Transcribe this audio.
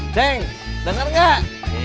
ceng denger nggak